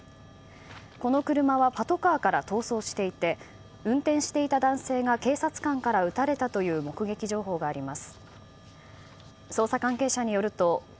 この車はパトカーから逃走していて運転していた男性が警察官から撃たれたという目撃情報があります。